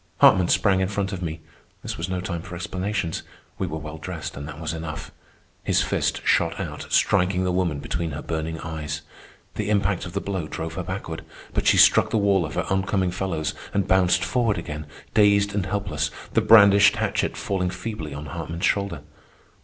Hartman sprang in front of me. This was no time for explanations. We were well dressed, and that was enough. His fist shot out, striking the woman between her burning eyes. The impact of the blow drove her backward, but she struck the wall of her on coming fellows and bounced forward again, dazed and helpless, the brandished hatchet falling feebly on Hartman's shoulder.